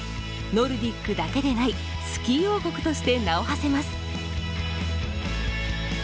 ノルディックだけでないスキー王国として名をはせます。